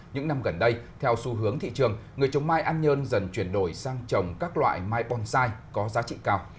những năm gần đây theo xu hướng thị trường người trồng mai an nhơn dần chuyển đổi sang trồng các loại mai bonsai có giá trị cao